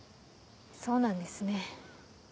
そうなんですね。